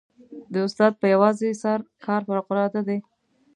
د استاد په یوازې سر کار فوقالعاده دی.